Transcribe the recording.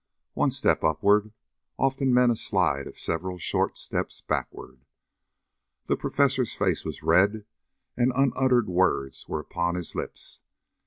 One step upward often meant a slide of several short steps backward. The Professor's face was red, and unuttered words were upon his lips.